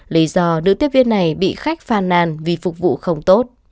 lý do nữ tiếp viên này bị khách phan nàn vì phục vụ không tốt